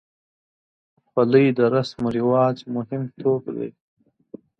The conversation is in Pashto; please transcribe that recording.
خولۍ د رسم و رواج مهم توک دی.